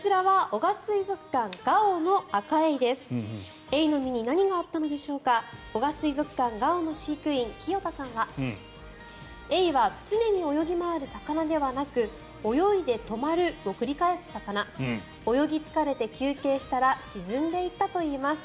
男鹿水族館ＧＡＯの飼育員清田さんはエイは常に泳ぎ回る魚ではなく泳いで止まるを繰り返す魚泳ぎ疲れて休憩したら沈んでいったといいます。